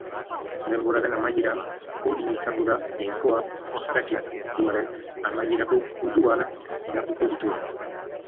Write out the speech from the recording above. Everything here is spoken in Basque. Denboraren amaieran, Odin izango da jainkoak eta gizakiak, munduaren amaierako guduan gidatuko dituena.